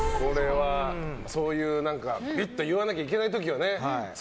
そういう言わなきゃいけない時がね。